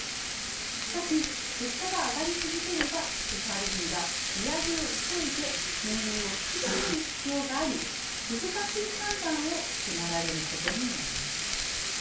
しかし物価が上がり続ければＦＲＢは利上げを急いで金融を引き締める必要があり難しい判断を迫られることになります。